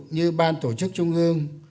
như ban tổ chức trung ương